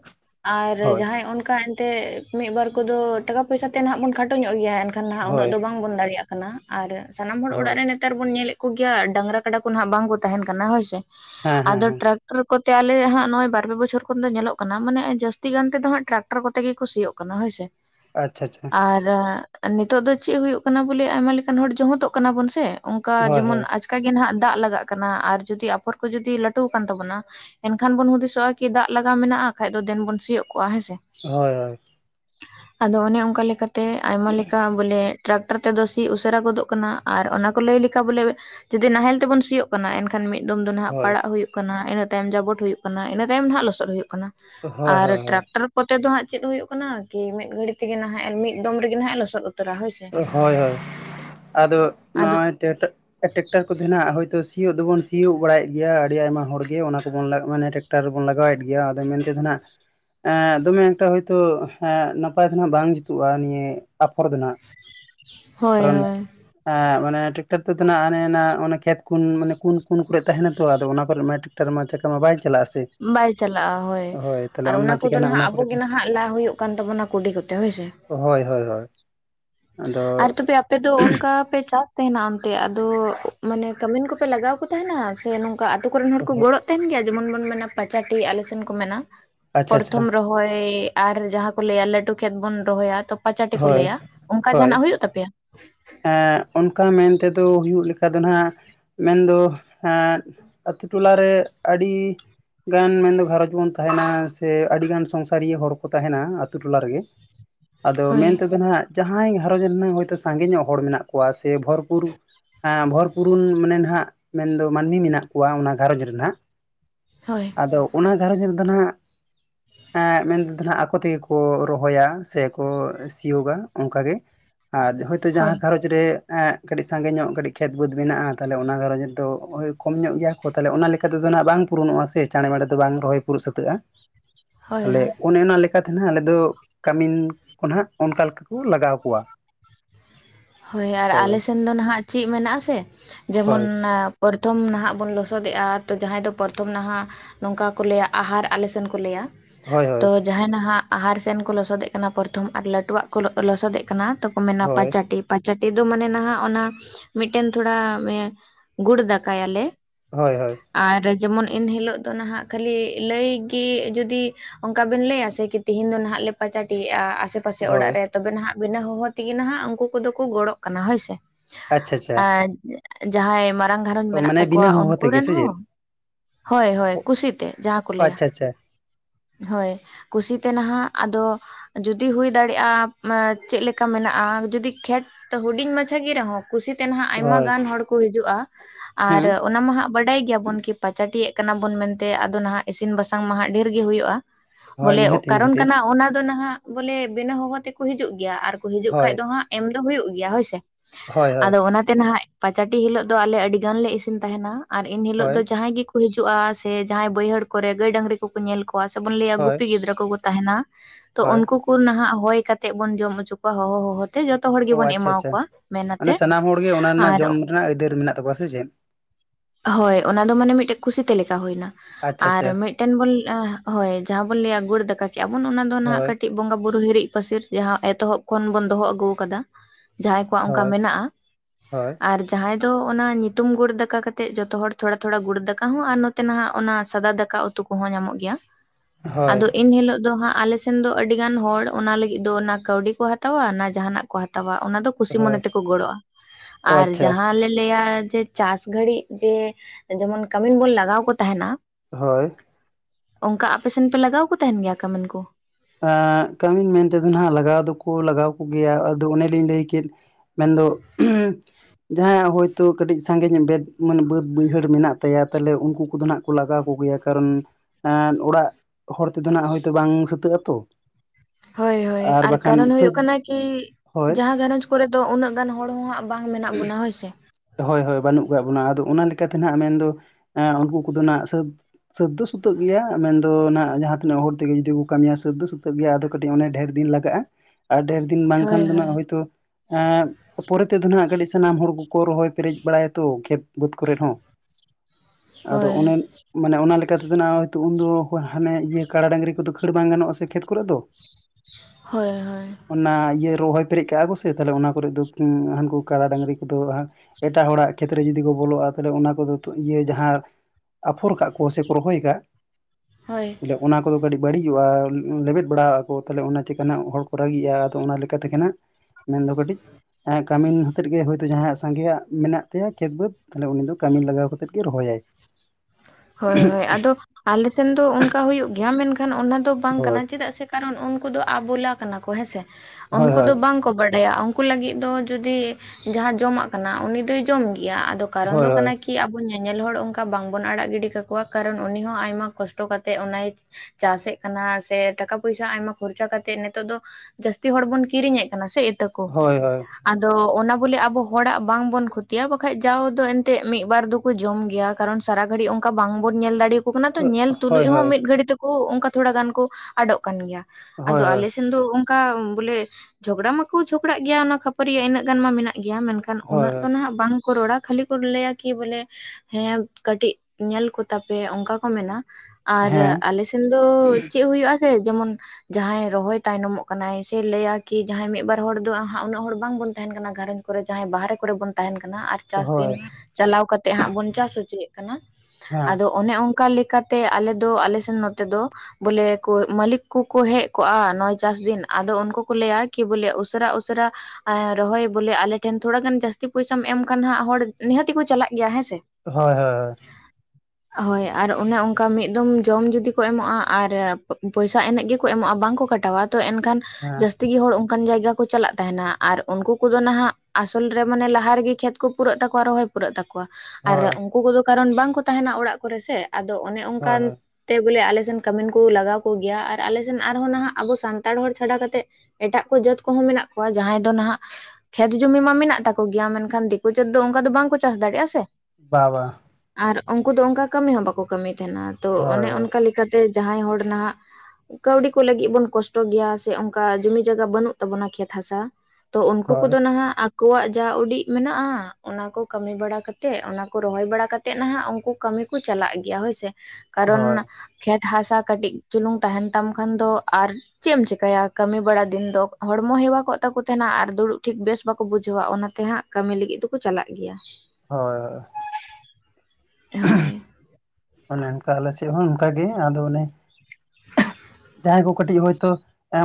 ᱟᱨ ᱦᱳᱭ ᱡᱟᱦᱟᱸᱭ ᱚᱱᱠᱟ ᱛᱮ ᱢᱤᱫ ᱵᱟᱨ ᱠᱚᱫᱚ ᱴᱟᱠᱟ ᱯᱚᱭᱥᱟ ᱛᱮ ᱱᱟᱦᱟᱜ ᱵᱚᱱ ᱠᱷᱟᱴᱚ ᱧᱚᱜ ᱜᱮᱭᱟ ᱮᱠᱷᱟᱱ ᱱᱟᱦᱟᱜ ᱩᱱᱟᱹᱜ ᱦᱳᱭ ᱫᱚ ᱵᱟᱝᱵᱚᱱ ᱫᱟᱲᱮᱭᱟᱜ ᱠᱟᱱᱟ ᱟᱨ ᱥᱟᱱᱟᱢ ᱦᱚᱲ ᱚᱲᱟᱜ ᱦᱳᱭ ᱨᱮ ᱱᱮᱛᱟᱨ ᱵᱚᱱ ᱧᱮᱞᱮᱫ ᱠᱚᱜᱮᱭᱟ ᱰᱟᱝᱨᱟ ᱠᱟᱰᱟ ᱠᱚ ᱱᱟᱦᱟᱜ ᱵᱟᱝ ᱠᱚ ᱛᱟᱦᱮᱱ ᱠᱟᱱᱟ ᱦᱳᱭ ᱥᱮ᱾ ᱦᱮᱸ ᱦᱮᱸ ᱟᱫᱚ ᱦᱮᱸ ᱴᱨᱟᱠ ᱠᱚᱛᱮ ᱟᱞᱮ ᱦᱟᱜ ᱵᱟᱨ ᱯᱮ ᱵᱚᱪᱷᱚᱨ ᱠᱷᱚᱱ ᱫᱚ ᱧᱮᱞᱚᱜ ᱠᱟᱱᱟ ᱢᱟᱱᱮ ᱡᱟᱹᱥᱛᱤ ᱜᱟᱱ ᱛᱮᱫᱚ ᱦᱟᱜ ᱴᱨᱟᱠᱴᱟᱨ ᱠᱚᱛᱮ [inaudible] ᱠᱩ ᱥᱤᱭᱚᱜ ᱠᱟᱱᱟ ᱦᱳᱭ ᱥᱮ᱾ ᱟᱪᱪᱷᱟ ᱟᱪᱷᱟ ᱟᱨ ᱱᱤᱛᱚᱜ ᱫᱚ ᱪᱮᱫ ᱦᱩᱭᱩᱜ ᱠᱟᱱᱟ ᱵᱚᱞᱮ ᱟᱭᱢᱟ ᱞᱮᱠᱟᱱ ᱦᱚᱲ ᱡᱚᱦᱚᱫᱚᱜ ᱠᱟᱱᱟ ᱵᱚᱱ ᱥᱮ᱾ ᱚᱱᱠᱟ ᱦᱳᱭ ᱡᱮᱢᱚᱱ ᱦᱳᱭ ᱟᱪᱠᱟᱜ ᱜᱮ ᱱᱟᱦᱱᱟᱜ ᱫᱟᱜ ᱞᱟᱜᱟᱜ ᱠᱟᱱᱟ ᱟᱨ ᱡᱩᱫᱤ ᱟᱯᱷᱚᱨ ᱠᱚ ᱡᱩᱫᱤ ᱞᱟᱹᱴᱩ ᱟᱠᱟᱱ ᱛᱟᱵᱚᱱᱟ ᱮᱱᱠᱷᱟᱱ ᱵᱚᱱ ᱦᱩᱫᱤᱥᱚᱜᱼᱟ ᱠᱤ ᱫᱟᱜ ᱞᱟᱜᱟᱣ ᱢᱮᱱᱟᱜᱼᱟ ᱵᱟᱠᱷᱟᱡ ᱫᱚ ᱫᱮᱱ ᱵᱚᱱ ᱥᱤᱭᱳᱡ ᱠᱚᱜᱼᱟ ᱦᱮᱸ ᱥᱮ᱾ ᱦᱳᱭ ᱦᱳᱭ ᱟᱫᱚ ᱚᱱᱮ ᱚᱱᱠᱟ ᱞᱮᱠᱟᱛᱮ ᱟᱭᱢᱟ ᱞᱮᱠᱟ ᱵᱚᱞᱮ ᱴᱨᱟᱠ ᱛᱮᱫᱚ ᱥᱤ ᱩᱥᱟᱹᱨᱟ ᱜᱚᱫᱚᱜ ᱠᱟᱱᱟ ᱟᱨ ᱚᱱᱟ ᱠᱚ ᱞᱟᱹᱭᱠᱷᱟᱱ ᱵᱚᱞᱮ ᱡᱩᱫᱤ ᱱᱟᱦᱮᱞ ᱛᱮᱵᱚᱱ ᱥᱤᱭᱳᱜ ᱮᱱᱠᱷᱟᱱ ᱢᱤᱫ ᱫᱚᱢ ᱫᱚ ᱱᱟᱦᱟᱜ ᱦᱳᱭ ᱯᱟᱲᱟᱜ ᱦᱩᱭᱩᱜ ᱠᱟᱱᱟ ᱤᱱᱟᱹ ᱛᱟᱭᱚᱢ ᱡᱟᱵᱚᱴ ᱦᱩᱭᱩᱜ ᱠᱟᱱᱟ ᱤᱱᱟᱹ ᱛᱟᱭᱚᱢ ᱦᱟᱜ ᱞᱚᱥᱚᱫ ᱦᱩᱭᱩᱜ ᱠᱟᱱᱟ᱾ ᱦᱳᱭ ᱟᱨ ᱦᱳᱭ ᱴᱨᱟᱠᱴᱟᱨ ᱠᱚᱛᱮ ᱫᱚ ᱦᱟᱸᱜ ᱪᱮᱫ ᱦᱩᱭᱩᱜ ᱠᱟᱱᱟ ᱠᱤ ᱢᱤᱫ ᱜᱷᱟᱹᱲᱤ ᱛᱮᱜᱮ ᱱᱟᱦᱟᱜ ᱟᱨ ᱢᱤᱫ ᱫᱚᱢ ᱨᱮᱜᱮ ᱱᱟᱦᱟᱜ ᱞᱚᱥᱚᱫ ᱩᱛᱟᱹᱨᱟ ᱦᱳᱭ ᱥᱮ ᱦᱳᱭ ᱦᱳᱭ ᱟᱫᱚ ᱱᱚᱼ ᱟᱫᱚ ᱚᱭ ᱴᱮᱻᱴᱮᱠᱴᱟᱨ ᱛᱟᱦᱮᱱᱟ ᱦᱚᱭᱛᱳ ᱥᱤᱭᱳᱜ ᱫᱚᱵᱚᱱ ᱥᱤᱭᱳᱜ ᱵᱟᱲᱟᱭᱮᱫ ᱜᱮᱭᱟ ᱟᱹᱰᱤ ᱟᱭᱢᱟ ᱦᱚᱲ ᱜᱮ ᱚᱱᱟ ᱠᱚᱵᱚᱱ ᱢᱟᱱᱮ ᱴᱮᱠ ᱴᱟᱠᱴᱟᱨ ᱵᱚᱱ ᱞᱟᱜᱟᱣᱮᱫ ᱜᱮᱭᱟ ᱟᱫᱚ ᱢᱮᱱᱛᱮ ᱫᱚ ᱱᱟᱜ ᱮ ᱫᱚᱢᱮ ᱮᱠᱴᱟ ᱦᱳᱭᱛᱳ ᱱᱟᱯᱟᱭ ᱫᱚ ᱱᱟᱜ ᱵᱟᱝ ᱡᱩᱛᱩᱜᱼᱟ ᱱᱤᱭᱟᱹ ᱟᱯᱷᱚᱨ ᱫᱚ ᱱᱟᱜ᱾ ᱦᱳᱭ ᱠᱟᱨᱚᱱ ᱦᱳᱭ ᱮᱸ ᱢᱟᱱᱮ ᱴᱮᱨᱟᱠᱴᱟᱨ ᱛᱮᱫᱚ ᱦᱟᱱᱮ ᱱᱟᱜ ᱚᱱᱟ ᱠᱷᱮᱛ ᱠᱩᱱ ᱢᱟᱱᱮ ᱠᱩᱱ ᱠᱩᱱ ᱠᱚᱨᱮ ᱛᱟᱦᱮᱱᱟᱛᱚ ᱟᱫᱚ ᱚᱱᱟ ᱠᱚᱨᱮ ᱴᱷᱤ ᱼᱼ ᱵᱟᱭ ᱪᱟᱞᱟᱜ-ᱟ ᱦᱳᱭ ᱛᱟᱦᱞᱮ ᱟᱨ ᱚᱱᱟ ᱠᱚᱫᱚ ᱪᱤᱠᱟᱹ ᱱᱟᱜ ᱱᱟᱸᱜ ᱚᱱᱟ ᱠᱚᱨᱮ ᱟᱵᱚᱜ ᱜᱮ ᱫᱚ ᱱᱟᱦᱟᱜ ᱞᱟᱟᱦ ᱦᱩᱭᱩᱜ ᱠᱟᱱ ᱛᱟᱵᱚᱱᱟ ᱠᱩᱰᱤ ᱠᱚᱛᱮ ᱦᱳᱭ ᱥᱮ ᱦᱳᱭ ᱦᱳᱭ ᱦᱳᱭ ᱟᱫᱚ ᱟᱨ ᱛᱚᱵᱮ ᱟᱯᱮ ᱫᱚ ᱚᱱᱠᱟ ᱯᱮ ᱪᱟᱥ ᱛᱟᱦᱮᱱᱟ ᱚᱱᱛᱮ ᱟᱫᱚ ᱢᱟᱱᱮ ᱠᱟᱹᱢᱤᱱ ᱠᱚᱯᱮ ᱞᱟᱜᱟᱣ ᱠᱚ ᱛᱟᱦᱮᱱᱟ ᱥᱮ ᱱᱚᱝᱠᱟ ᱟᱛᱳ ᱠᱚᱨᱮᱱ ᱦᱚᱲ ᱠᱚ ᱜᱚᱲᱚᱜ ᱼᱼ ᱛᱮᱱ ᱜᱮᱭᱟ ᱡᱮᱢᱚᱱ ᱵᱚᱱ ᱢᱮᱱᱟ ᱯᱟᱪᱟᱴᱤ ᱟᱞᱮ ᱥᱮᱱ ᱠᱚ ᱢᱮᱱᱟᱦ ᱟᱪᱪᱷᱟ ᱟᱪᱪᱷᱟ ᱯᱚᱨᱛᱷᱚᱢ ᱨᱚ ᱼᱼ ᱦᱳᱭ ᱟᱨ ᱡᱟᱦᱟᱸ ᱠᱚ ᱞᱟᱹᱭᱟ ᱞᱟᱹᱴᱩ ᱠᱷᱮᱛ ᱵᱚᱱ ᱨᱚᱦᱚᱭᱟ ᱛᱚ ᱯᱟᱪᱟᱴᱤ ᱠᱚ ᱦᱳᱭ ᱞᱟᱹᱭᱟ ᱚᱱᱠᱟ ᱡᱟᱦᱟᱱᱟᱜ ᱦᱩᱭᱩᱜ ᱛᱟᱯᱮᱭᱟ ᱮᱸᱜ ᱚᱱᱠᱟ ᱢᱮᱱ ᱛᱮᱫᱚ ᱦᱩᱭᱩᱜ ᱞᱮᱠᱟ ᱫᱚ ᱱᱟᱜ ᱢᱮᱱᱫᱚ ᱮᱸᱜ ᱟᱛᱳ ᱴᱚᱞᱟᱨᱮ ᱟᱹᱰᱤ ᱜᱟᱱ ᱢᱮᱱᱫᱚ ᱜᱷᱟᱷᱟᱨᱚᱸᱡᱽ ᱵᱚᱱ ᱛᱟᱦᱮᱱᱟ ᱥᱮ ᱟᱹᱰᱤ ᱜᱟᱱ ᱥᱚᱝᱥᱟᱨᱤᱭᱟᱹ ᱦᱚᱲ ᱠᱚ ᱛᱟᱦᱮᱱᱟ ᱟᱛᱳ ᱴᱚᱞᱟ ᱨᱮᱜᱮ [inaudible] ᱟᱫᱚ ᱦᱳᱭ ᱢᱮᱱᱛᱮᱫᱚ ᱱᱟᱦᱟᱜ ᱡᱟᱦᱟᱸᱭ ᱜᱷᱟᱨᱚᱸᱧᱡᱽ ᱨᱮᱱᱟᱜ ᱦᱭᱛᱳ ᱥᱟᱸᱜᱮ ᱧᱚᱜ ᱦᱚᱲ ᱢᱮᱱᱟᱜ ᱠᱚᱣᱟ ᱥᱮ ᱵᱷᱚᱨᱯᱩᱨ ᱵᱷᱚᱨ ᱯᱩᱨᱩᱱ ᱢᱟᱱᱮ ᱱᱟᱜ ᱢᱮᱱᱫᱚ ᱢᱟᱹᱱᱢᱤ ᱢᱮᱱᱟᱜ ᱠᱚᱣᱟ ᱚᱱᱟ ᱜᱷᱟᱨᱚᱸᱡᱽ ᱨᱮᱱᱟᱜ ᱦᱳᱭ ᱟᱫᱚ ᱚᱱᱟ ᱜᱷᱟᱨᱚᱸᱡᱽ ᱨᱮᱫᱚ ᱱᱟᱦᱟᱜ [inaudible] ᱮᱸᱜ ᱢᱮᱱᱛᱮᱫᱚ ᱱᱟᱜ ᱟᱠᱚ ᱛᱮᱜᱮ ᱠᱚ ᱨᱚᱦᱚᱭᱟ ᱥᱮᱠᱚ ᱥᱤᱭᱳᱜᱟ ᱚᱝᱠᱟᱜ ᱜᱮ ᱟᱨ ᱦᱚᱳᱭᱛᱳ ᱦᱳᱭ ᱡᱟᱦᱟᱸ ᱜᱷᱟᱸᱨᱚᱡᱽ ᱨᱮ ᱮᱸᱜ ᱠᱟᱹᱴᱤᱡ ᱥᱟᱸᱜᱮ ᱧᱚᱜ ᱠᱟᱹᱴᱤᱡ ᱠᱷᱮᱛ ᱵᱟᱹᱫᱽ ᱢᱮᱱᱟᱜᱼᱟ ᱛᱟᱞᱦᱮ ᱚᱱᱟ ᱜᱷᱟᱸᱨᱚᱡᱽ ᱨᱮᱫᱚ ᱠᱚᱢ ᱧᱚᱜ ᱜᱮᱭᱟ ᱠᱚ ᱛᱟᱞᱦᱮ ᱚᱱᱟ ᱞᱮᱠᱟᱛᱮᱫᱚ ᱱᱟᱦᱟᱜ ᱵᱟᱝ ᱯᱩᱨᱩᱱᱚᱜᱼᱟ ᱥᱮ ᱪᱟᱬᱮ ᱢᱟᱲᱮ ᱫᱚ ᱵᱟᱝ ᱨᱚᱦᱚᱭ ᱯᱩᱨᱟᱹᱜ ᱥᱟᱹᱛᱟᱹᱜᱼᱟ [inaudible] ᱛᱟᱞᱦᱮ ᱦᱳᱭ ᱚᱱᱮ ᱚᱱᱟ ᱞᱮᱠᱟᱛᱮ ᱱᱟᱦᱟᱜ ᱟᱞᱮ ᱫᱚ ᱠᱟᱹᱢᱤᱱ ᱠᱚ ᱱᱟᱦᱟᱜ ᱚᱱᱠᱟ ᱞᱮᱠᱟ ᱠᱚ ᱞᱟᱜᱟᱣ ᱠᱚᱣᱟ ᱦᱳᱭ ᱟᱨ ᱟᱞᱮ ᱥᱮᱱ ᱫᱚ ᱱᱟᱦᱟᱜ ᱪᱮᱫ ᱢᱮᱱᱟᱜ ᱟᱥᱮ ᱦᱳᱭ ᱡᱮᱢᱚᱱ ᱯᱚᱨᱚᱛᱷᱚᱢ ᱱᱟᱦᱟᱜ ᱵᱚᱱ ᱞᱚᱥᱚᱫᱮᱜᱼᱟ ᱛᱚ ᱡᱟᱦᱟᱸᱭ ᱫᱚ ᱯᱚᱨᱛᱷᱚᱢ ᱱᱟᱦᱟᱜ ᱱᱚᱝᱠᱟ ᱠᱚ ᱞᱟᱹᱭᱟ ᱟᱦᱟᱨ ᱟᱞᱮ ᱥᱮᱱ ᱠᱚ ᱞᱟᱹᱭᱟ ᱦᱳᱭ ᱛᱚ ᱦᱳᱭ ᱡᱟᱦᱟᱸᱭ ᱱᱟᱦᱟᱜ ᱟᱦᱟᱨ ᱥᱮᱱ ᱠᱚ ᱞᱚᱥᱚᱫᱮᱜ ᱠᱟᱱᱟ ᱯᱚᱨᱚᱛᱷᱚᱢ ᱟᱨ ᱞᱟᱹᱴᱩᱣᱟᱜ ᱠᱚ ᱞᱚᱥᱚᱫᱮᱜ ᱠᱟᱱᱟ ᱛᱚ ᱠᱚ ᱢᱮᱱᱟ ᱯᱟᱸᱪ ᱦᱳᱭ ᱟᱴᱤ ᱯᱟᱸᱪ ᱟᱴᱤ ᱫᱚ ᱢᱟᱱᱮ ᱱᱟᱦᱟᱜ ᱚᱱᱟ ᱢᱤᱫᱴᱮᱱ ᱛᱷᱚᱲᱟ ᱮᱸ, ᱜᱩᱲ ᱫᱟᱠᱟᱭᱟᱞᱮ ᱦᱳᱭ ᱦᱳᱭ ᱟᱨ ᱡᱮᱢᱚᱱ ᱤᱱᱦᱤᱞᱳᱜ ᱫᱚ ᱱᱟᱦᱟᱜ ᱠᱷᱟᱹᱞᱤ ᱞᱟᱹᱭ ᱜᱮ ᱡᱩᱫᱤ ᱚᱝᱠᱟ ᱵᱤᱱ ᱞᱟᱹᱭᱟ ᱥᱮᱤ ᱛᱮᱦᱤᱧ ᱫᱚ ᱱᱟᱦᱟᱜ ᱞᱮ ᱯᱟᱪᱟᱴᱤᱭᱮᱫᱼᱟ ᱟᱥᱮ ᱯᱟᱥᱮ ᱚᱲᱟᱜ ᱨᱮ ᱦᱳᱭ ᱛᱚᱵᱮ ᱱᱟᱦᱟᱜ ᱵᱤᱱᱟᱹ ᱦᱚᱦᱚ ᱛᱮᱜᱮ ᱱᱟᱦᱟᱜ ᱩᱱᱠᱩ ᱠᱚᱫᱚ ᱠᱚ ᱜᱚᱲᱚᱜ ᱠᱟᱱᱟ ᱦᱳᱭ ᱥᱮ ᱟᱪᱪᱷᱟ ᱟᱪᱪᱷᱟ ᱮᱸᱜ ᱡᱟᱦᱟᱸᱭ ᱢᱟᱨᱟᱝ ᱜᱷᱟᱨᱚᱸᱡᱽ ᱢᱮᱱᱟᱜ ᱢᱟᱱᱮ ᱛᱟᱠᱚᱣᱟ ᱵᱤᱱᱟᱹ ᱦᱚᱦᱚ ᱩᱱᱠᱩ ᱛᱮᱜᱮ ᱨᱮᱱ ᱥᱮ ᱪᱮᱫ ᱦᱚᱸ ᱦᱳᱭ ᱦᱳᱭ ᱠᱩᱥᱤᱛᱮ ᱡᱟᱦᱟᱸ ᱠᱚ ᱞᱟᱹᱭᱟ ᱟᱪᱪᱷᱟ ᱟᱪᱪᱷᱟ ᱦᱳᱭ ᱠᱩᱥᱤᱛᱮ ᱱᱟᱦᱟᱜ ᱟᱫᱚ ᱡᱩᱫᱤ ᱦᱩᱭ ᱫᱟᱲᱮᱭᱟᱜᱼᱟ ᱪᱮᱫ ᱞᱮᱠᱟ ᱢᱮᱱᱟᱜᱼᱟ? ᱡᱩᱫᱤ ᱠᱷᱮᱛ ᱦᱩᱰᱤᱧ ᱢᱟᱪᱷᱟ ᱜᱮ ᱨᱮᱦᱚᱸ ᱠᱩᱥᱤᱛᱮ ᱱᱟᱜ ᱟᱭᱢᱟ ᱦᱳᱭ ᱜᱟᱱ ᱦᱚᱲ ᱠᱚ ᱦᱤᱡᱩᱜᱼᱟ᱾ ᱟᱨ ᱦᱩᱸ ᱚᱱᱟ ᱢᱟ ᱦᱟᱸᱜ ᱵᱟᱰᱟᱭ ᱜᱮᱭᱟᱵᱚᱱ ᱠᱤ ᱯᱟᱪᱟᱴᱤᱭᱮᱫ ᱠᱟᱱᱟ ᱵᱚᱱ ᱢᱮᱱᱛᱮ ᱟᱫᱚ ᱱᱟᱦᱟᱜ ᱤᱥᱤᱱ ᱵᱟᱥᱟᱝ ᱢᱟ ᱦᱟᱸᱜ ᱰᱷᱮᱨ ᱜᱮ ᱦᱩᱭᱩᱜᱼᱟ ᱦᱳᱭ ᱵᱚᱞᱮ ᱱᱤᱦᱟᱹᱛᱤ ᱠᱟᱨᱚᱱ ᱱᱤᱦᱟᱹᱛᱤ ᱠᱟᱱᱟ ᱚᱱᱟ ᱫᱚ ᱱᱟᱦᱟᱜ ᱵᱚᱞᱮ ᱵᱤᱱᱟᱹ ᱦᱚᱦᱚ ᱛᱮᱠᱚ ᱦᱤᱡᱩᱜ ᱜᱮᱭᱟ ᱟᱨ ᱦᱤᱡᱩᱜ ᱠᱷᱟᱱ ᱦᱳᱭ ᱫᱚ ᱦᱟᱸᱜ ᱮᱢ ᱫᱚ ᱦᱩᱭᱩᱜ ᱜᱮᱭᱟ ᱦᱳᱭᱥᱮ ᱦᱳᱭ ᱦᱳᱭ ᱟᱫᱚ ᱚᱱᱟᱛᱮ ᱱᱟᱦᱜ ᱯᱟᱪᱟᱴᱤ ᱦᱤᱞᱚᱜ ᱫᱚ ᱟᱞᱮ ᱟᱹᱰᱤ ᱜᱟᱱ ᱞᱮ ᱤᱥᱤᱱ ᱛᱟᱦᱮᱱᱟ ᱟᱨ ᱤᱱ ᱦᱤᱞᱚᱜ ᱦᱳᱭ ᱫᱚ ᱡᱟᱦᱟᱸᱭ ᱜᱮᱠ ᱠᱚ ᱦᱤᱡᱩᱜᱼᱟ ᱥᱮ ᱡᱟᱦᱟᱸᱭ ᱵᱟᱹᱭᱦᱟᱹᱲ ᱠᱚᱨᱮ ᱜᱟᱹᱭ ᱰᱟᱹᱝᱜᱨᱤ ᱠᱚᱠᱚ ᱧᱮᱞ ᱠᱚᱣᱟ ᱥᱮᱵᱚᱱ ᱞᱟᱹᱭᱟ ᱦᱳᱭ ᱜᱩᱯᱤ ᱜᱤᱫᱽᱨᱟᱹ ᱠᱚ ᱛᱟᱦᱮᱱᱟ ᱛᱚ ᱦᱳᱭ ᱩᱱᱠᱩ ᱠᱚ ᱱᱟᱦᱟᱜ ᱦᱚᱭ ᱠᱟᱛᱮ ᱵᱚᱱ ᱡᱚᱢ ᱦᱚᱪᱚ ᱠᱚᱣᱟ ᱦᱚᱦᱚ ᱦᱚᱦᱚ ᱛᱮ ᱡᱚᱛᱚ ᱦᱚᱲ ᱚ ᱜᱮᱵᱚᱱ ᱟᱪᱪᱷᱟ ᱮᱢᱟᱣ ᱟᱪᱪᱷᱟ ᱠᱚᱣᱟ ᱢᱮᱱ ᱢᱟᱱᱮ ᱟᱛᱮ ᱥᱟᱱᱟᱢ ᱦᱚᱲᱜᱮ ᱚᱱᱟ ᱨᱮᱱᱟᱜ ᱟᱨ ᱡᱚᱢ ᱨᱮᱱᱟᱜ ᱟᱹᱭᱫᱟᱹᱨ ᱢᱮᱱᱟᱜ ᱛᱟᱠᱚᱣᱟ ᱥᱮ ᱪᱮᱫ ᱦᱚᱭ ᱚᱱᱟ ᱫᱚ ᱢᱟᱱᱮ ᱢᱤᱫᱴᱮᱱ ᱠᱩᱥᱤᱛᱮ ᱞᱮᱠᱟ ᱦᱩᱭᱱᱟ ᱟᱪᱪᱷᱟ ᱟᱨ ᱟᱪᱪᱷᱟ ᱢᱤᱫ ᱢᱤᱫᱴᱮᱱ ᱵᱚᱱ ᱦᱚᱭ ᱡᱟᱦᱟᱸ ᱵᱚᱱ ᱞᱟᱹᱭᱟ ᱜᱩᱲ ᱫᱟᱠᱟ ᱠᱮᱜᱼᱟ ᱵᱚᱱ ᱚᱱᱟ ᱫᱚ ᱱᱟᱦᱟᱜ ᱦᱳᱭ ᱠᱟᱹᱴ ᱵᱚᱸᱜᱟ ᱵᱩᱨᱩ ᱦᱤᱨᱤᱡ ᱯᱟᱹᱥᱤᱨ ᱡᱟᱦᱟᱸ ᱮᱛᱚᱦᱚᱵ ᱠᱷᱚᱱ ᱵᱚᱱ ᱫᱚᱦᱚ ᱟᱹᱜᱩ ᱠᱟᱫᱟ, ᱡᱟᱦᱟᱸᱭ ᱠᱚᱣᱟᱜ ᱚᱱᱠᱟ ᱦᱳᱭ ᱢᱮᱱᱟᱜᱼᱟ, ᱦᱳᱭ ᱟᱨ ᱡᱟᱦᱟᱸᱭ ᱫᱚ ᱚᱱᱟ ᱧᱩᱛᱩᱢ ᱜᱩᱲ ᱫᱟᱠᱟ ᱠᱟ ᱠᱟᱛᱮᱫ ᱡᱚᱛᱚ ᱦᱚᱲ ᱛᱷᱚᱲᱟ ᱛᱷᱚᱲᱟ ᱜᱩᱲ ᱫᱟᱠᱟ ᱦᱚᱸ ᱟᱨ ᱱᱚᱛᱮ ᱱᱟᱦᱟᱜ ᱚᱱᱟ ᱥᱟᱫᱟ ᱫᱟᱠᱟ ᱩᱛᱩ ᱠᱚᱦᱚᱸ ᱧᱟᱢᱚᱜ ᱜᱮᱭᱟ᱾ ᱦᱳᱭ ᱟᱫᱚ ᱮᱱᱦᱤᱞᱳᱜ ᱫᱚ ᱦᱟᱸᱜ ᱟᱞᱮ ᱥᱮᱱ ᱫᱚ ᱟᱹᱰᱤᱜᱟᱱ ᱦᱚᱲ ᱚᱱᱟ ᱞᱟᱹᱜᱤᱫ ᱫᱚ ᱚᱱᱟ ᱠᱟᱹᱣᱰᱤ ᱠᱚ ᱦᱟᱛᱟᱣᱟ᱾ ᱚᱱᱟ ᱡᱟᱸᱦᱟᱱᱟᱜ ᱠᱚ ᱦᱟᱛᱟᱣᱟ ᱚᱱᱟ ᱫᱚ ᱠᱩᱥᱤ ᱢᱚᱱᱮ ᱦᱳᱭ ᱛᱮᱠᱚ ᱜᱚᱲᱚᱜ-ᱟ᱾ ᱚ ᱟᱨ ᱟᱪᱪᱷᱟ ᱡᱟᱦᱟᱸ ᱞᱟᱹᱭᱟ ᱡᱮ ᱪᱟᱥ ᱜᱷᱟᱹᱲᱤᱡ ᱡᱮ ᱡᱮᱢᱚᱱ ᱠᱟᱹᱢᱤᱱ ᱵᱚᱱ ᱞᱟᱜᱟᱣ ᱠᱚ ᱛᱟᱦᱮᱱᱟ, ᱦᱳᱭ᱾ ᱚᱱᱠᱟ ᱟᱯᱮ ᱥᱮᱱ ᱯᱮ ᱞᱟᱜᱟᱣ ᱠᱚ ᱛᱟᱦᱮᱱ ᱜᱮᱭᱟ ᱠᱟᱹᱢᱤᱱ ᱠᱚ? ᱟᱜᱻ ᱠᱟᱹᱢᱤ ᱢᱮᱱᱛᱮᱫᱚ ᱱᱟᱜ ᱞᱟᱜᱟᱣ ᱫᱚᱠᱚ ᱞᱟᱜᱟᱣ ᱠᱚᱜᱮᱭᱟ ᱟᱫᱚ ᱚᱱᱮᱞᱤᱧ ᱞᱟᱹᱭ ᱠᱮᱫ ᱢᱮᱱᱫᱚ ᱡᱟᱦᱟᱸᱭᱟᱜ ᱦᱳᱭᱛᱳ ᱠᱟᱹᱴᱤᱡ ᱥᱟᱸᱜᱮᱧ ᱵᱟᱹᱫ ᱢᱟᱱᱮ ᱵᱟᱹᱫ ᱵᱟᱹᱭᱦᱟᱹᱲ ᱢᱮᱱᱟᱜ ᱛᱟᱭᱟ, ᱛᱟᱦᱚᱞᱮ ᱩᱱᱠᱩ ᱠᱚᱫᱚ ᱱᱟᱜ ᱠᱚ ᱞᱟᱜᱟᱣ ᱠᱚᱜᱮᱭᱟ ᱠᱟᱨᱚᱱ ᱮ ᱚᱲᱟᱜ ᱦᱚᱲ ᱛᱮᱫᱚ ᱦᱟᱸᱜ ᱛᱮ-ᱛᱚ ᱵᱟᱝ ᱥᱟᱹᱛᱟᱹᱜ ᱟᱛᱚ᱾ ᱦᱳᱭ ᱦᱳᱭ, ᱟᱨ ᱵᱟᱠᱷᱟᱱ ᱠᱟᱨᱚᱱ ᱦᱩᱭᱩᱜ ᱥᱟᱹᱛ ᱠᱟᱱᱟ ᱠᱤ ᱦᱳᱭ ᱡᱟᱦᱟᱸ ᱜᱷᱟᱨᱚᱸᱡᱽ ᱠᱚᱨᱮᱫ ᱫᱚ ᱩᱱᱟᱹᱜ ᱜᱟᱱ ᱦᱚᱲ ᱦᱟᱸᱜ ᱵᱟᱝ ᱢᱮᱱᱟᱜ ᱵᱚᱱᱟ ᱦᱳᱭ ᱥᱮ᱾ ᱦᱳᱭ ᱦᱳᱭ ᱵᱟᱹᱱᱩᱜ ᱠᱟᱜ ᱵᱚᱱᱟ ᱟᱫᱚ ᱚᱱᱟ ᱞᱮᱠᱟᱛᱮ ᱱᱟᱦᱱᱟᱜ ᱢᱮᱱᱫᱚ ᱮ ᱩᱱᱠᱩ ᱠᱚᱫᱚ ᱱᱟᱜ ᱥᱟᱹᱛ ᱥᱟᱹᱛ ᱫᱚ ᱥᱩᱛᱟᱹᱜ ᱜᱮᱭᱟ ᱢᱮᱱᱫᱚ ᱱᱟᱜ ᱡᱟᱦᱟᱸ ᱛᱤᱱᱟᱹᱜ ᱦᱚᱲ ᱛᱮᱜᱮ ᱡᱩᱫᱤ ᱠᱚ ᱠᱟᱹᱢᱤᱭᱟ ᱥᱟᱹᱛ ᱫᱚ ᱥᱩᱛᱟᱹᱜ ᱜᱮᱭᱟ ᱟᱫᱚ ᱠᱟᱹᱴᱤᱡ ᱚᱱᱮ ᱰᱷᱮᱨ ᱫᱤᱱ ᱞᱟᱜᱟᱜᱼᱟ᱾ ᱟᱨ ᱰᱷᱮᱨ ᱫᱤᱱ ᱦᱳᱭ ᱵᱟᱝᱠᱷᱟᱱ ᱫᱚ ᱦᱳᱭ ᱦᱩᱭᱛᱚ ᱯᱚᱨᱮ ᱛᱮᱫᱚ ᱱᱟᱜ ᱠᱟᱹᱴᱤᱡ ᱥᱟᱱᱟᱢ ᱦᱚᱲ ᱠᱚ ᱠᱚ ᱨᱚᱦᱚᱭ ᱯᱮᱨᱮᱡ ᱵᱟᱲᱟᱭᱟᱛᱚ ᱠᱷᱮᱛ ᱵᱟᱹᱫᱽ ᱠᱚᱨᱮ ᱦᱚᱸ, ᱟᱫᱚ ᱦᱳᱭ ᱚᱱᱮ ᱢᱟᱱᱮ ᱚᱱᱟ ᱞᱮᱠᱟᱛᱮᱫᱚ ᱦᱚᱭᱛᱳ ᱩᱱᱫᱚ ᱦᱟᱱᱮ ᱤᱭᱟᱹ ᱠᱟᱲᱟ ᱰᱟᱝᱨᱤ ᱠᱚᱫᱚ ᱠᱷᱟᱹᱲ ᱵᱟᱝ ᱜᱟᱱᱚᱜᱼᱟ ᱥᱮ ᱠᱷᱮᱛ ᱠᱚᱨᱮ ᱫᱚ, ᱦᱳᱭ ᱦᱳᱭ᱾ ᱚᱱᱟ ᱤᱭᱟᱹ ᱨᱚᱦᱚᱭ ᱯᱮᱨᱮᱡ ᱠᱟᱜᱼᱟ ᱠᱚᱥᱮ ᱛᱟᱦᱚᱞᱮ ᱚᱱᱟ ᱠᱚᱨᱮᱫ ᱫᱚ ᱦᱟᱹᱱᱠᱩ ᱠᱟᱲᱟ ᱰᱟᱹᱟᱝᱨᱤ ᱠᱚᱫᱚ, ᱮᱴᱟᱜ ᱦᱚᱲᱟᱜ ᱠᱷᱮᱛᱨᱮ ᱡᱩᱫᱤ ᱠᱚ ᱵᱚᱞᱚᱜᱼᱟ ᱛᱟᱦᱚᱞᱮ ᱚᱱᱟ ᱠᱚᱫᱚ ᱤᱭᱟᱹ ᱡᱟᱦᱟᱸ ᱟᱯᱷᱚᱨ ᱠᱟᱜ ᱠᱚ ᱥᱮᱠᱚ ᱨᱚᱦᱚᱭ ᱠᱟᱜ ᱦᱳᱭ᱾ ᱚᱱᱟ ᱠᱚᱫᱚ ᱠᱟᱹᱴᱤᱡ ᱵᱟᱹᱲᱤᱡᱚᱜ-ᱟ ᱞᱮᱵᱮᱫ ᱵᱟᱲᱟᱣᱟᱜ ᱟᱠᱚ ᱛᱟᱦᱚᱞᱮ ᱚᱱᱟ ᱪᱤᱠᱠᱟ ᱦᱚᱲ ᱠᱚ ᱨᱟᱹᱜᱤᱜ-ᱟ ᱟᱫᱚ ᱚᱱᱟ ᱞᱮᱠᱟ ᱛᱮᱜᱮ ᱱᱟᱜ ᱢᱮᱱᱫᱚ ᱠᱟᱹᱴᱤᱡ ᱮ ᱠᱟᱢᱤᱱ ᱦᱚᱛᱮᱫ ᱜᱮ ᱦᱳᱭᱛᱳ ᱡᱟᱦᱟᱸ ᱥᱟᱸᱜᱮᱭᱟᱜ ᱢᱮᱱᱟᱜ ᱛᱟᱭᱟ ᱠᱷᱮᱛ ᱵᱟᱹᱫᱽ ᱛᱟᱦᱚᱞᱮ ᱩᱱᱤ ᱫᱚ ᱠᱟᱹᱢᱤᱱ ᱞᱟᱜᱟᱣ ᱠᱟᱛᱮᱫ ᱜᱮ ᱨᱚᱦᱚᱭᱟᱭ᱾ ᱦᱳᱭ ᱦᱳᱭ ᱟᱫᱚ ᱟᱞᱮᱥᱱ ᱫᱚ ᱚᱱᱠᱟ ᱦᱩᱭᱩᱜ ᱜᱮᱭᱟ ᱢᱮᱱᱠᱷᱟᱱ ᱚᱱᱟ ᱫᱚ ᱵᱟᱝ ᱦᱳᱭ ᱠᱟᱱᱟ ᱪᱮᱫᱟᱜ ᱥᱮ ᱠᱟᱨᱚᱱ ᱩᱱᱠᱩ ᱫᱚ ᱟᱵᱚᱞᱟ ᱠᱟᱱᱟ ᱠᱚ ᱦᱮᱥᱮ ᱦᱳᱭ ᱩᱱᱠᱩ ᱫᱚ ᱵᱟᱝ ᱠᱚ ᱵᱟᱰᱟᱭᱟ ᱩᱱᱠᱩ ᱞᱟᱹᱜᱤᱫ ᱫᱚ ᱡᱩᱫᱤ ᱡᱟᱦᱟᱸ ᱡᱚᱢᱟᱜ ᱠᱟᱱᱟ ᱩᱱᱤ ᱫᱚᱭ ᱡᱚᱢ ᱜᱮᱭᱟ᱾ ᱟᱫᱚ ᱠᱟᱨᱚᱱ ᱦᱳᱭ ᱫᱚ ᱠᱟᱱᱟ ᱦᱳᱭ ᱠᱤ ᱟᱵᱚ ᱧᱮᱧᱮᱞ ᱦᱚᱲ ᱚᱱᱠᱟ ᱵᱟᱝᱵᱚᱱ ᱟᱲᱟᱜ ᱜᱤᱰᱤ ᱠᱟᱠᱚᱣᱟ ᱠᱟᱨᱚᱱ ᱩᱱᱤ ᱦᱚᱸ ᱟᱭᱢᱟ ᱠᱚᱥᱴᱚ ᱠᱟ ᱠᱟᱛᱮᱫ ᱚᱱᱟᱭ ᱪᱟᱥᱮᱫ ᱠᱟᱱᱟ ᱥᱮ ᱴᱟᱠᱟ ᱯᱚᱭᱥᱟ ᱟᱭᱢᱟ ᱠᱷᱚᱨᱪᱟ ᱠᱟᱛᱮᱜ ᱱᱤᱛᱚᱜ ᱫᱚ ᱡᱟᱹᱥᱛᱤ ᱦᱚᱲ ᱵᱚᱱ ᱠᱤᱨᱤᱧᱮᱫ ᱠᱟᱱᱟ ᱥᱮ ᱤᱛᱟᱹ ᱠᱚ ᱦᱳᱭ ᱦᱳᱭ ᱟᱫᱚ ᱚᱱᱟ ᱵᱚᱞᱮ ᱟᱵᱚ ᱦᱚᱲᱟᱜ ᱵᱟᱝᱵᱚᱱ ᱠᱷᱚᱛᱤᱭᱟ, ᱵᱟᱠᱷᱟᱡ ᱡᱟᱣ ᱫᱚ ᱮᱱᱛᱮᱫ ᱢᱤᱫ ᱵᱟᱨ ᱫᱚ ᱡᱚᱢ ᱜᱮᱭᱟ ᱠᱟᱨᱚᱱ ᱥᱟᱨᱟ ᱜᱷᱟᱹᱲᱤᱡ ᱚᱱᱠᱟ ᱵᱟᱝ ᱵᱚᱱ ᱧᱮᱞ ᱫᱟᱲᱮᱭᱟᱠᱚ ᱠᱟᱱᱟ ᱛᱚ ᱧᱮᱞ ᱦᱳᱭ ᱛᱩᱞᱩᱡ ᱦᱚᱸ ᱦᱳᱭ ᱢᱤᱫ ᱜᱷᱟᱹᱲᱤᱡ ᱛᱮᱠᱚ ᱚᱱᱠᱟ ᱛᱷᱚᱲᱟ ᱜᱟᱱ ᱠᱚ ᱟᱰᱚᱜ [unintelligible] ᱠᱟᱱ ᱜᱮᱭᱟ᱾ ᱦᱳᱭ ᱦᱳᱭ ᱟᱫᱚ ᱦᱳᱭ ᱟᱞᱮ ᱥᱮᱱ ᱫᱚ ᱚᱱᱠᱟ ᱵᱚᱞᱮ ᱡᱷᱚᱜᱽᱲᱟ ᱢᱟᱠᱚ ᱡᱷᱚᱜᱽᱟᱜ ᱜᱮᱭᱟ ᱚᱱᱟ ᱠᱷᱟᱹᱯᱟᱹᱨᱤᱭ ᱤᱱᱟᱹᱜ ᱜᱟᱱ ᱢᱟ ᱢᱮᱱᱟᱜ ᱜᱮᱭᱟ᱾ ᱢᱮᱱ ᱠᱷᱟᱱ ᱩᱱᱟᱹᱜ ᱦᱳᱭ ᱫᱚ ᱱᱟᱦᱟᱜ ᱵᱟᱝᱠᱚ ᱨᱚᱲᱟ ᱠᱷᱟᱹᱞᱤ ᱠᱚ ᱞᱟᱹᱭᱟ ᱠᱤ ᱵᱚᱞᱮ ᱦᱮᱸ ᱠᱟᱹᱴᱤᱡ ᱧᱮᱞ ᱠᱚᱛᱟᱯᱮ ᱚᱱᱠᱟ ᱠᱚ ᱢᱮᱱᱟ ᱟᱨ ᱦᱮᱸ ᱟᱞ ᱥᱮ ᱥᱮᱱ ᱫᱚ ᱪᱮᱫ ᱦᱩᱭᱩᱜ-ᱟ ᱥᱮ ᱡᱮᱢᱚᱱ ᱡᱟᱦᱟᱸᱭ ᱨᱚᱦᱚᱭ ᱛᱟᱭᱱᱚᱢᱚᱜ ᱠᱟᱱᱟᱭ ᱥᱮ ᱞᱟᱹᱭᱟ ᱠᱤ ᱡᱟᱦᱟᱸᱭ ᱢᱤᱫᱵᱟᱨ ᱦᱚᱲ ᱫᱚ ᱩᱱᱟᱹᱜ ᱦᱚᱲ ᱵᱟᱝ ᱵᱚᱱ ᱛᱟᱦᱮᱱ ᱠᱟᱱᱟ ᱜᱷᱟᱨᱚᱸᱡᱽ, ᱠᱚᱨᱮ ᱡᱟᱦᱟᱸᱭ ᱵᱟᱦᱨᱮ ᱠᱚᱨᱮ ᱵᱚᱱ ᱛᱟᱦᱮᱱ ᱠᱟᱱᱟ ᱟᱨ ᱪᱟᱥ ᱦᱳᱭ ᱫᱤᱱ ᱪᱟᱞᱟᱣ ᱠᱟᱛᱮᱜ ᱦᱟᱸᱜ ᱵᱚᱱ ᱪᱟᱥ ᱦᱚᱪᱚᱭᱮᱫ ᱠᱟᱱᱟ, ᱦᱮᱸ ᱟᱫᱚ ᱚᱱᱮ ᱚᱱᱠᱟ ᱞᱮᱠᱟᱛᱮ ᱟᱞᱮ ᱫᱚ ᱟᱞᱮᱱ ᱱᱚᱛᱮ ᱫᱚ ᱵᱚᱞᱮ ᱠᱚ ᱢᱟᱹᱞᱤᱠ ᱠᱚᱠᱚ ᱦᱮᱡ ᱠᱚᱜ-ᱟ ᱱᱚ ᱪᱟᱥ ᱫᱤᱱ ᱟᱫᱚ ᱩᱱᱠᱩ ᱠᱚ ᱞᱟᱹᱭᱟ ᱠᱤ ᱵᱚᱞᱮ ᱩᱥᱟᱹᱨᱟ, ᱩᱥᱟᱹᱨᱟ ᱨᱚᱦᱚᱭ ᱵᱚᱞᱮ ᱟᱞᱮ ᱴᱷᱮᱱ ᱛᱷᱚᱲᱟ ᱜᱟᱱ ᱡᱟᱹᱥᱛᱤ ᱯᱩᱭᱥᱟᱢ ᱮᱢ ᱠᱷᱟᱱ ᱦᱟᱜ ᱦᱚᱲ ᱱᱤᱦᱟᱹᱛᱤᱜ ᱠᱚ ᱪᱟᱞᱟᱜ ᱜᱮᱭᱟ ᱦᱮᱸᱥᱮ ᱦᱚᱭ ᱦᱚᱭ ᱦᱚᱭ ᱦᱳᱭ ᱟᱨ ᱚᱱᱮ ᱚᱝᱠᱟ ᱢᱤᱫ ᱫᱚᱢ ᱡᱚᱢ ᱡᱩᱫᱤ ᱠᱚ ᱮᱢᱚᱜᱼᱟ ᱟᱨ ᱯᱚᱭᱥᱟ ᱮᱱᱮᱡ ᱜᱮᱠᱚ ᱮᱢᱚᱜᱼᱟ ᱵᱟᱝ ᱠᱚ ᱠᱟᱴᱟᱣᱟ ᱛᱚ ᱮᱱᱠᱷᱟᱱ ᱦᱮᱸ ᱡᱟᱹᱥᱛᱤ ᱛᱮᱜᱮ ᱦᱚᱲ ᱚᱝᱠᱟᱱ ᱡᱟᱭᱜᱟ ᱠᱚ ᱪᱟᱞᱟᱜ ᱛᱟᱦᱮᱱᱟ ᱟᱨ ᱩᱱᱠᱩ ᱠᱚᱫᱚ ᱱᱟᱦᱟᱜ ᱟᱥᱚᱞ ᱨᱮ ᱢᱟᱱᱮ ᱞᱟᱦᱟ ᱨᱮᱜᱮ ᱠᱷᱮᱛ ᱠᱚ ᱯᱩᱨᱟᱹᱜ ᱛᱟᱠᱚᱣᱟ ᱨᱚᱦᱚᱭ ᱯᱩᱨᱟᱹᱜ ᱛᱟᱠᱚᱣᱟ ᱟᱨ ᱦᱳᱭ ᱩᱱᱠᱩ ᱠᱚᱫᱚ ᱠᱟᱨᱚᱱ ᱵᱟᱝᱠᱚ ᱛᱟᱦᱮᱱᱟ ᱚᱲᱟᱜ ᱠᱚᱨᱮ ᱥᱮ ᱟᱫᱚ ᱚᱱᱮ ᱦᱳᱭ ᱚᱝᱠᱟᱱ ᱦᱳᱭ ᱛᱮ ᱵᱚᱞᱮ ᱟᱞᱮᱥᱱ ᱠᱟᱹᱢᱤᱱ ᱠᱚ ᱞᱟᱜᱟᱣ ᱠᱚᱜᱮᱭᱟ ᱟᱨ ᱟᱞᱮᱥᱱ ᱟᱨᱦᱚᱸ ᱱᱟᱦᱟᱜ ᱟᱵᱚ ᱥᱟᱱᱛᱟᱲ ᱦᱚᱲ ᱪᱷᱟᱰᱟ ᱠᱟᱛᱮᱫ ᱮᱴᱟᱜ ᱠᱚ ᱡᱟᱹᱛ ᱠᱚᱦᱚᱸ ᱢᱮᱱᱟᱜ ᱠᱚᱣᱟ ᱡᱟᱦᱟᱸᱭ ᱫᱚ ᱱᱟᱦᱟᱜ ᱠᱷᱮᱛ ᱡᱩᱢᱤ ᱢᱟ ᱢᱮᱱᱟᱜ ᱛᱟᱠᱚ ᱜᱮᱭᱟ ᱢᱮᱱᱠᱷᱟᱱ ᱫᱤᱠᱩ ᱡᱟᱹᱛ ᱫᱚ ᱚᱱᱠᱟ ᱫᱚ ᱵᱟᱝᱠᱚ ᱪᱟᱥ ᱫᱟᱲᱮᱭᱟᱜᱼᱟ ᱥᱮ ᱵᱟ ᱵᱟ ᱟᱨ ᱩᱱᱠᱩ ᱫᱚ ᱚᱱᱠᱟ ᱠᱟᱹᱢᱤ ᱦᱚᱸ ᱵᱟᱠᱚ ᱠᱟᱹᱢᱤᱭ ᱛᱟᱦᱮᱱᱟ ᱛᱚ ᱦᱳᱭ ᱚᱱᱮ ᱦᱳᱭ ᱚᱱᱠᱟ ᱞᱮᱠᱟᱛᱮ ᱡᱟᱦᱟᱸᱭ ᱦᱚᱲ ᱱᱟᱦᱟᱜ ᱠᱟᱹᱣᱰᱤ ᱠᱚ ᱞᱟᱹᱜᱤᱫ ᱵᱩᱱ ᱠᱚᱥᱴᱚ ᱜᱮᱭᱟ ᱥᱮ ᱚᱱᱠᱟ ᱡᱩᱢᱤ ᱡᱟᱭᱜᱟ ᱵᱟᱹᱱᱩᱜ ᱛᱟᱵᱩᱱᱟ ᱠᱷᱮᱛ ᱦᱟᱥᱟ ᱛᱚ ᱩᱱᱠᱩ ᱦᱳᱭ ᱠᱚᱫᱚ ᱱᱟᱦᱟᱜ ᱟᱠᱚᱣᱟᱜ ᱡᱟ ᱩᱰᱤᱜ ᱢᱮᱱᱟᱜᱼᱟ ᱚᱱᱟᱠᱚ ᱠᱟᱹᱢᱤ ᱵᱟᱲᱟ ᱠᱟᱛᱮᱜ ᱚᱱᱟᱠᱚ ᱨᱚᱦᱚᱭ ᱵᱟᱲᱟ ᱠᱟᱛᱮᱜ ᱱᱟᱦᱟᱜ ᱠᱩ ᱠᱟᱹᱢᱤ ᱠᱚ ᱪᱟᱞᱟᱜ ᱜᱮᱭᱟ ᱦᱚᱭᱥᱮ ᱠᱟᱨᱚᱱ ᱦᱳᱭ ᱠᱷᱮᱛ ᱦᱟᱥᱟ ᱠᱟᱹᱴᱤᱡ ᱪᱩᱞᱩᱝ ᱛᱟᱦᱮᱱ ᱛᱟᱢ ᱠᱷᱟᱱ ᱫᱚ ᱟᱨ ᱪᱮᱫ ᱮᱢ ᱪᱤᱠᱟᱭᱟ ᱠᱟᱹᱢᱤ ᱵᱟᱲᱟ ᱫᱤᱱ ᱫᱚ ᱦᱚᱲᱢᱚ ᱦᱮᱣᱟ ᱠᱚᱜ ᱛᱟᱠᱚ ᱛᱟᱦᱮᱱᱟ ᱟᱨ ᱫᱩᱲᱩᱵ ᱴᱷᱤᱠ ᱵᱮᱥ ᱵᱟᱠᱚ ᱵᱩᱡᱷᱟᱹᱣᱟ ᱚᱱᱟᱛᱮ ᱦᱟᱸᱜ ᱠᱟᱹᱢᱤ ᱞᱟᱹᱜᱤᱫ ᱫᱩᱠᱚ ᱪᱟᱞᱟᱜ ᱜᱮᱭᱟ ᱦᱚᱭ ᱦᱚᱭ ᱦᱳᱭ ᱚᱱᱮ ᱚᱱᱠᱟ ᱟᱞᱮ ᱥᱮᱫ ᱦᱚᱸ ᱚᱱᱠᱟ ᱜᱮ ᱟᱫᱚ ᱚᱱᱮ ᱡᱟᱦᱟᱸᱭ ᱠᱚ ᱠᱟᱹᱴᱤᱡ ᱦᱚᱭ ᱛᱚ